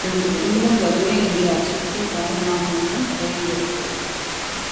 தமக்குத் துன்பம் வருமே என்ற அச்சத்தின் காரணமாக மட்டும் பகையை வெறுத்தல் கூடாது.